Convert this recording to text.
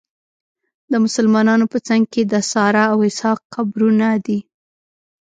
د مسلمانانو په څنګ کې د ساره او اسحاق قبرونه دي.